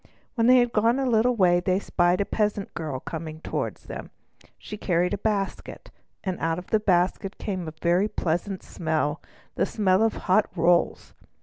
When they had gone a little way they spied a peasant girl coming toward them. She carried a basket, and out of the basket came a very pleasant smell—the smell of hot rolls.